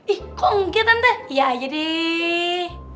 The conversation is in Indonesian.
ih kok ngelak tante iya aja deh